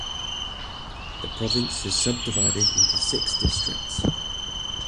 The province is subdivided into six districts.